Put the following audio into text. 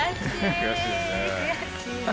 悔しいです。